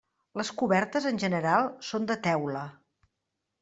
Les cobertes en general són de teula.